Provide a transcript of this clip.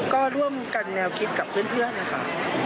ก็ร่วมกันแนวคิดกับเพื่อนนะคะ